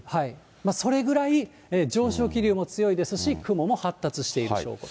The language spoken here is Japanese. それぐらい、上昇気流も強いですし、雲も発達している証拠だ